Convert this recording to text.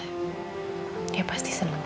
ya pasti seneng sih